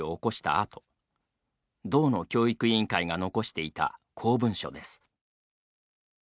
あと道の教育委員会が残していた公文書です。